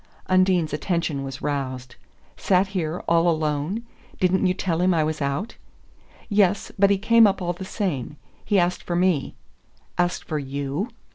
Undine's attention was roused. "Sat here all alone? Didn't you tell him I was out?" "Yes but he came up all the same. He asked for me." "Asked for YOU?"